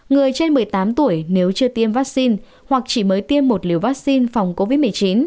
người trên một mươi tám tuổi nếu chưa tiêm vaccine hoặc chỉ mới tiêm một liều vaccine phòng covid một mươi chín